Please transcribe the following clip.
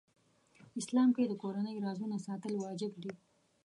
اسلام کې د کورنۍ رازونه ساتل واجب دي .